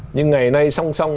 nhưng ngày nay song song